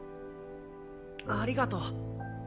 ありがとう。